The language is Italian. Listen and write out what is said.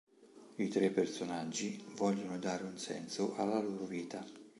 I tre personaggi vogliono dare un senso alla loro vita.